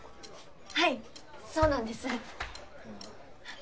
はいそうなんです。